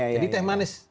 jadi teh manis